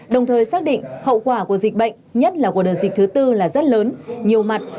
đồng thời xác định hậu quả của dịch bệnh nhất là của đợt dịch thứ tư là rất lớn nhiều mặt